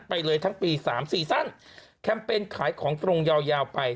ไปเลยทั้งปีสามซีซั่นแคมเปญขายของตรงยาวยาวไป